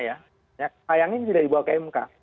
kayangnya ini sudah dibawa ke mk